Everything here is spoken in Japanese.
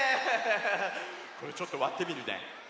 これちょっとわってみるね。